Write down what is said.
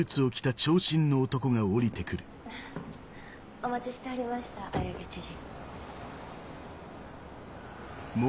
お待ちしておりました青柳知事。